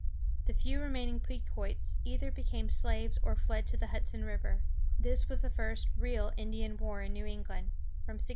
The few remaining Pequots either became slaves or fled to the Hudson River. This was the first real Indian war in New England (1636 1638).